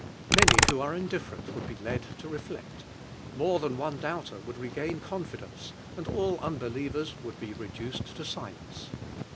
Many who are indifferent would be led to reflect, more than one doubter would re gain confidence, and all unbelievers would he reduced to silence.